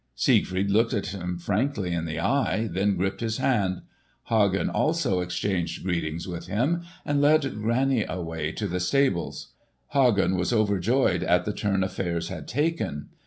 Siegfried looked him frankly in the eye, then gripped his hand. Hagen also exchanged greetings with him and led Grani away to the stables. Hagen was overjoyed at the turn affairs had taken.